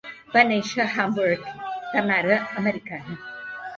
Va néixer a Hamburg, de mare americana.